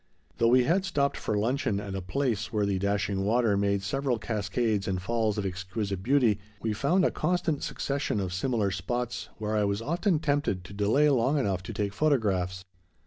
Though we had stopped for luncheon at a place where the dashing water made several cascades and falls of exquisite beauty, we found a constant succession of similar spots, where I was often tempted to delay long enough to take photographs.